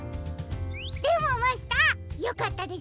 でもマスターよかったですね